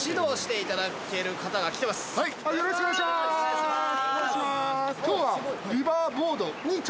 よろしくお願いします。